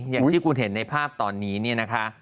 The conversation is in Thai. อย่างที่คุณเห็นในภาพตอนนี้เนี่ยนะคะ